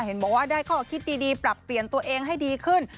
เห็นบอกว่าได้ข้อคิดดีปรับเปลี่ยนตัวเองให้ดีขึ้น